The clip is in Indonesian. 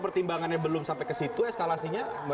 pertimbangannya belum sampai ke situ eskalasinya